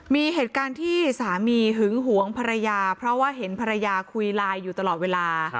มีเหตุการณ์ที่สามีหึงหวงภรรยาเพราะว่าเห็นภรรยาคุยไลน์อยู่ตลอดเวลา